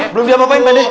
belum dia mau main pak dede